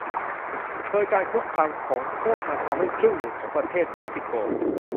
โดยการคุกคามของพวกมันทำให้ครึ่งหนึ่งของประเทศเม็กซิโก